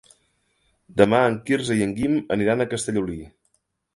Demà en Quirze i en Guim aniran a Castellolí.